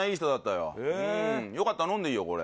よかったら飲んでいいよこれ。